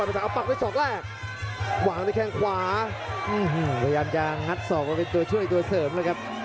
อับปรับด้วยศอกแรกหว่างในแค่งขวาอื้อหือพยายามจะงัดศอกมาเป็นตัวช่วยตัวเสริมเลยครับ